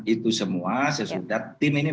itu semua sesudah tim ini